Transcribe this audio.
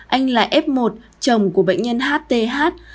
anh là f một chồng của bệnh nhân h t h